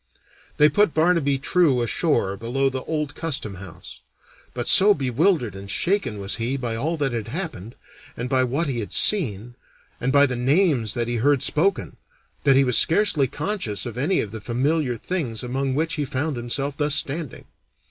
They put Barnaby True ashore below the old custom house; but so bewildered and shaken was he by all that had happened, and by what he had seen, and by the names that he heard spoken, that he was scarcely conscious of any of the familiar things among which he found himself thus standing.